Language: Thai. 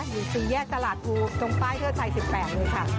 อยู่๔แยกตลาดภูตรงป้ายเทิดไทย๑๘เลยค่ะ